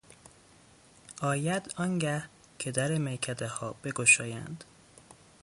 آید آنگه که در میکدهها بگشایند